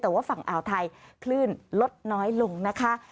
แต่ว่าฝั่งอ่าวไทยคลื่นลดน้อยลงนะคะ